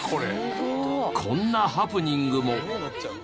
こんなハプニングも。